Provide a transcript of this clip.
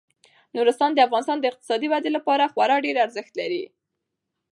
نورستان د افغانستان د اقتصادي ودې لپاره خورا ډیر ارزښت لري.